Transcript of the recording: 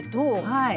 はい。